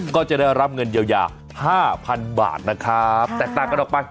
ก็จะได้รับเงินเยียวยาห้าพันบาทนะครับแตกต่างกันออกไป